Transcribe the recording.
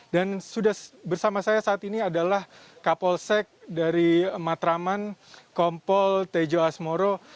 dan sudah bersama saya saat ini adalah kapolsek dari matraman kompol tejo asmoro